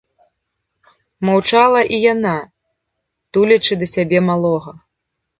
Маўчала і яна, тулячы да сябе малога.